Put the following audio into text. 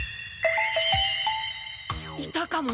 いたかも。